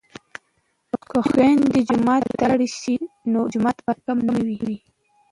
که خویندې جومات ته لاړې شي نو جماعت به کم نه وي.